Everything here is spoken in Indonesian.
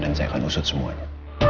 dan saya akan usut semuanya